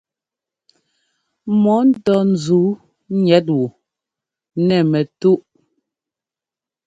Mɔ́ ŋtɔ́ zǔu gniɛt wú nɛ̂ mɛtú.